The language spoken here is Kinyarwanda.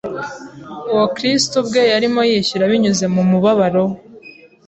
uwo Kristo ubwe yarimo yishyura binyuze mu mubabaro we